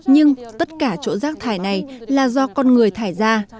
nhưng tất cả chỗ rác thải này là do con người thải ra